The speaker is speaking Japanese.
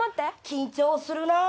緊張するなぁ。